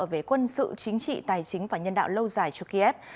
về quân sự chính trị tài chính và nhân đạo lâu dài cho kiev